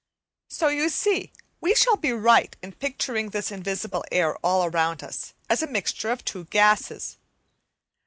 So, you see, we shall be right in picturing this invisible air all around us as a mixture of two gases.